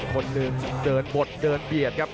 คนหนึ่งเดินบดเดินเบียดครับ